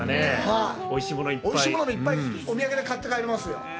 おいしいものいっぱいお土産で買って帰れますよ。